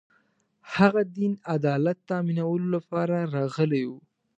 هغه دین عدالت تأمینولو لپاره راغلی و